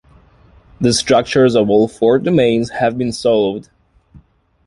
The structures of all four domains have been solved.